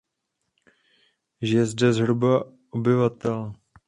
Žije zde zhruba obyvatel.